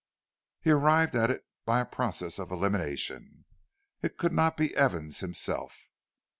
He arrived at it by a process of elimination. It could not be Evans himself.